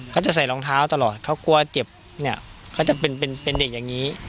ก็จะใส่รองเท้าตลอดเขากลัวเจ็บเนี่ยเขาจะเป็นเด็กอย่างนี้